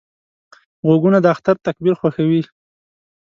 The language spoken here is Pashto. غوږونه د اختر تکبیر خوښوي